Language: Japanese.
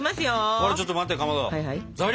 あれちょっと待ってかまど材料